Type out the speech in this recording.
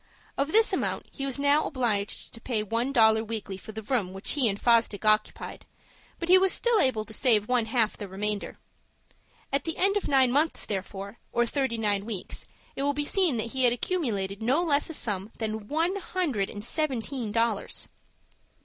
Of this amount he was now obliged to pay one dollar weekly for the room which he and Fosdick occupied, but he was still able to save one half the remainder. At the end of nine months therefore, or thirty nine weeks, it will be seen that he had accumulated no less a sum than one hundred and seventeen dollars.